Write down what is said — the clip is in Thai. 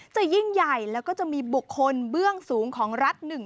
จะยิ่งใหญ่แล้วก็จะมีบุคคลเบื้องสูงของรัฐหนึ่ง